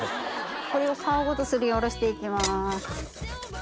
これを皮ごとすりおろしていきます。